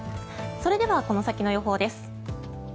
それではこの先の予報です。